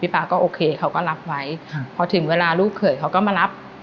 ป๊าก็โอเคเขาก็รับไว้พอถึงเวลาลูกเขยเขาก็มารับ